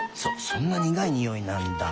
そんなにがいにおいなんだ。